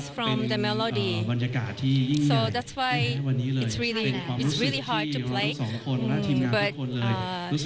ฉันคิดว่าทีมข่าวความภูมิจริงและฉันเต็มหลายอย่างของทีมข่าว